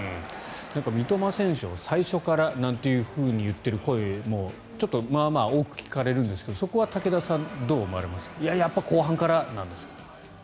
三笘選手を最初からなんていうふうに言っている声もまあまあ大きく聞かれるんですが武田さんはどうですか後半からなんですか。